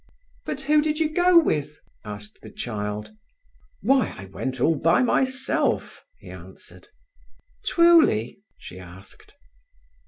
"But who did you go with?" asked the child. "Why, I went all by myself," he answered. "Twuly?" she asked.